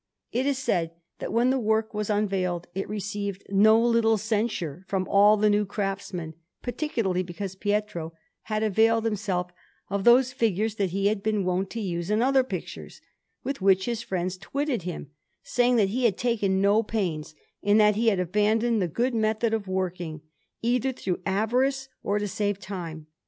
It is said that when the work was unveiled, it received no little censure from all the new craftsmen, particularly because Pietro had availed himself of those figures that he had been wont to use in other pictures; with which his friends twitted him, saying that he had taken no pains, and that he had abandoned the good method of working, either through avarice or to save time.